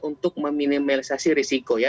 untuk meminimalisasi risiko ya